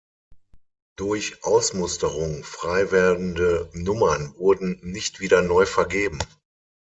Durch Ausmusterung freiwerdende Nummern wurden nicht wieder neu vergeben.